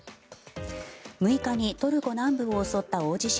６日にトルコ南部を襲った大地震。